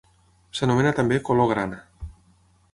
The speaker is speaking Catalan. S'anomena també color grana.